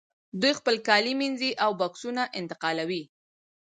دوی خپل کالي مینځي او بکسونه انتقالوي